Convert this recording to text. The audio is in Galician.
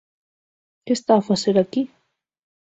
Que está a facer aquí?